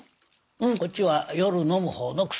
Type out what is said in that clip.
こっちは夜飲むほうの薬。